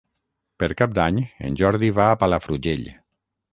Per Cap d'Any en Jordi va a Palafrugell.